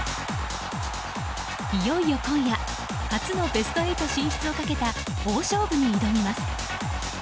いよいよ今夜初のベスト８進出をかけた大勝負に挑みます。